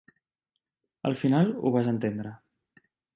Al final ho vas entendre.